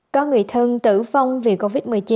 có người thân tử vong vì covid một mươi chín